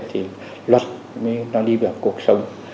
thì luật nó đi vào cuộc sống